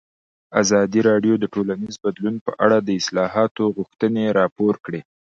ازادي راډیو د ټولنیز بدلون په اړه د اصلاحاتو غوښتنې راپور کړې.